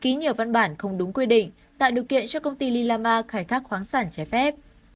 ký nhiều văn bản không đúng quy định tạo đối kiện cho công ty lila ma khai thác khoáng sản trái phép